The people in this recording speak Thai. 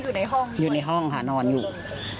อยู่ในห้องค่ะนอนอยู่คือตอนที่เขาโดนคือเขาหลับอยู่